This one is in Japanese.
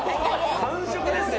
完食ですよ。